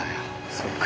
そっか。